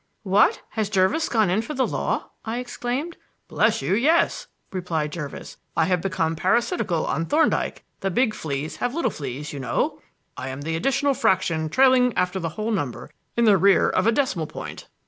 "What! Has Jervis gone in for the law?" I exclaimed. "Bless you, yes!" replied Jervis. "I have become parasitical on Thorndyke! 'The big fleas have little fleas,' you know. I am the additional fraction trailing after the whole number in the rear of a decimal point."